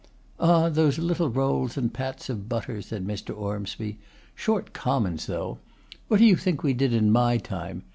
'Ah! those little rolls and pats of butter!' said Mr. Ormsby. 'Short commons, though. What do you think we did in my time?